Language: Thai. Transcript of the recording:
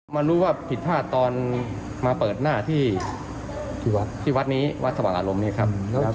มารู้ว่าผิดพลาดตอนมาเปิดหน้าที่วัดนี้วัดสว่างอารมณ์นี้ครับ